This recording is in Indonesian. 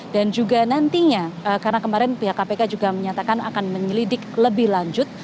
juga nantinya karena kemarin pihak kpk juga menyatakan akan menyelidik lebih lanjut